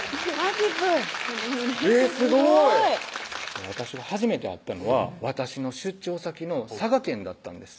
とんでもないえっすごい私が初めて会ったのは私の出張先の佐賀県だったんです